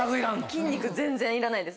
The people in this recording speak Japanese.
筋肉全然いらないです。